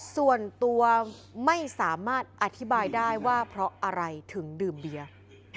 ส่วนตัวไม่สามารถอธิบายได้ว่าเพราะอะไรถึงดื่มเบียร์